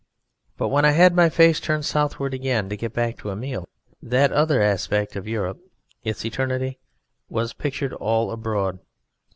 But when I had my face turned southward again to get back to a meal, that other aspect of Europe, its eternity, was pictured all abroad.